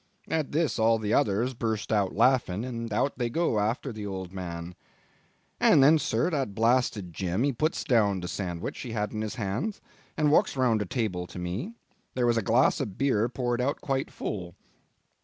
At this all the others burst out laughing, and out they go after the old man. And then, sir, that blasted Jim he puts down the sandwich he had in his hand and walks round the table to me; there was his glass of beer poured out quite full.